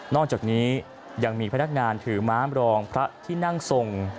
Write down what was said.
จากนี้ยังมีพนักงานถือม้ามรองพระที่นั่งทรง